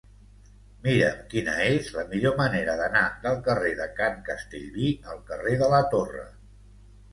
Mira'm quina és la millor manera d'anar del carrer de Can Castellví al carrer de la Torre.